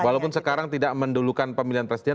walaupun sekarang tidak mendulukan pemilihan presiden